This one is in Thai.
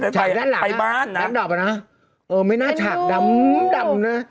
ฉากด้านหลังไปบ้านน้ำดับอ่ะนะเออไม่น่าฉากดำดำนะ